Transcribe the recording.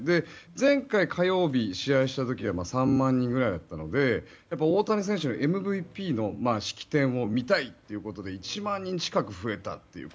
前回、火曜日に試合した時は３万人ぐらいだったので大谷選手のＭＶＰの式典を見たいということで１万人近く増えたという。